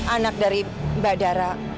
anak dari mbak dara